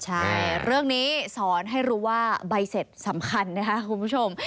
ใช่เรื่องนี้สอนให้รู้ว่าใบเสร็จสำคัญนะครับคุณผู้ชม